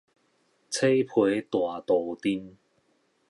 青皮大杜定